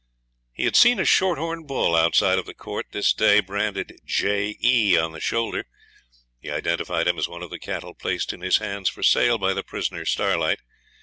He had seen a short horn bull outside of the court this day branded 'J E' on the shoulder. He identified him as one of the cattle placed in his hands for sale by the prisoner Starlight.